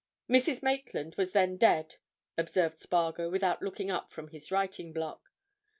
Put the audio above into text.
"Mrs. Maitland was then dead," observed Spargo without looking up from his writing block.